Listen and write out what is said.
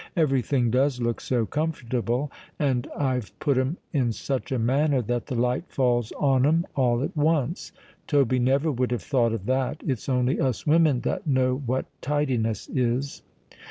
"Every thing does look so comfortable; and I've put 'em in such a manner that the light falls on 'em all at once. Toby never would have thought of that. It's only us women that know what tidiness is."